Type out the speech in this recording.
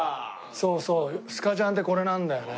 そうそうスカジャンってこれなんだよね。